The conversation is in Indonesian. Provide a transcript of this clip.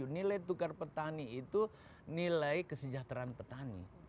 nilai tukar petani itu nilai kesejahteraan petani